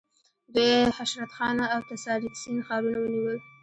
دوی هشترخان او تساریتسین ښارونه ونیول.